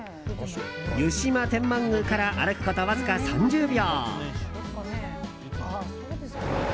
湯島天満宮から歩くことわずか３０秒。